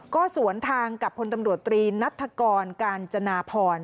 ก็สวนทางกับพลตำรวจตรีนัฐกรกาญจนาพร